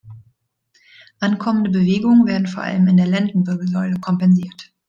Ankommende Bewegungen werden vor allem in der Lendenwirbelsäule kompensiert.